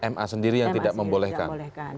ma sendiri yang tidak membolehkan